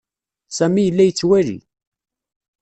Sami yella yettwali.